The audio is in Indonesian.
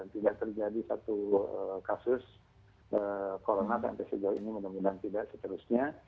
tidak terjadi satu kasus corona covid sembilan belas ini mudah mudahan tidak seterusnya